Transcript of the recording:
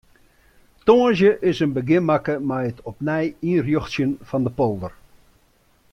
Tongersdei is in begjin makke mei it opnij ynrjochtsjen fan de polder.